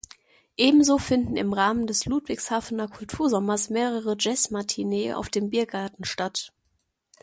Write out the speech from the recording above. Ebenso finden im Rahmen des Ludwigshafener Kultursommers mehrere Jazz-Matineen auf dem Biergarten statt.